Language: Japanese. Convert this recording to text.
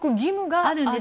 あるんです。